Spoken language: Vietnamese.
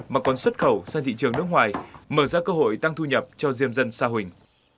mà còn xuất khẩu sang thị trường nước ngoài mở ra cơ hội tăng thu nhập cho diêm dân sa huỳnh